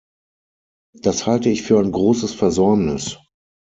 Das halte ich für ein großes Versäumnis.